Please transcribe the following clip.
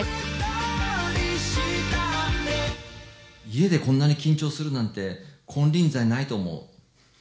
家でこんなに緊張するなんて金輪際ないと思う。